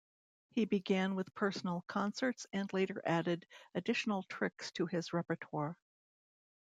He began with personal concerts and later added additional tricks to his repertoire.